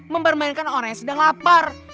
mempermainkan orang yang sedang lapar